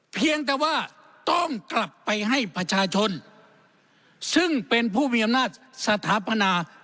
เพียงแต่ว่าต้องกลับไปให้ประชาชนซึ่งเป็นผู้มีอำนาจสถาปนา